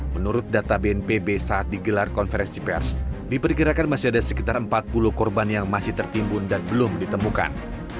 menurut data bnpb saat digelar konferensi pers diperkirakan masih ada sekitar empat puluh korban yang masih tertimbun dan belum ditemukan